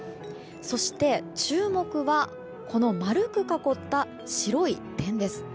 そして、注目は丸く囲った白い点です。